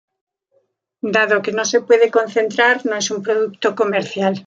Dado que no se puede concentrar, no es un producto comercial.